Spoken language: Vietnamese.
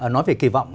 nói về kỳ vọng